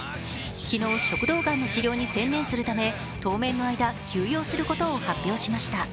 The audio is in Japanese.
昨日、食道がんの治療に専念するため当面の間、休養することを発表しました。